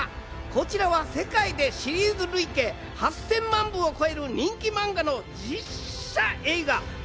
こちらは世界でシリーズ累計８０００万部を超える人気漫画の実写映画。